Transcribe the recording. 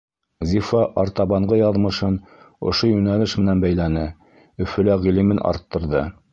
Зифа артабанғы яҙмышын ошо йүнәлеш менән бәйләне, Өфөлә ғилемен арттырҙы.